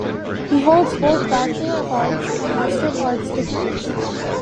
He holds both Bachelor of Arts and Master of Arts degrees.